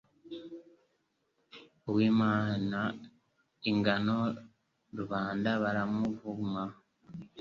Uwimana ingano rubanda baramuvuma